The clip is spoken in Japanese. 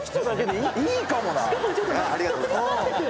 ありがとうございます。